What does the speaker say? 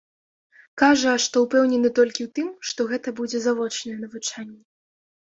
Кажа, што ўпэўнены толькі ў тым, што гэта будзе завочнае навучанне.